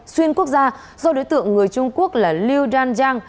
xuyên quốc gia do đối tượng người trung quốc là liu danjiang